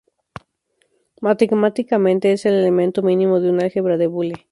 Matemáticamente, es el elemento mínimo de un álgebra de Boole.